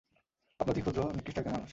আপনি অতি ক্ষুদ্র, নিকৃষ্ট একজন মানুষ।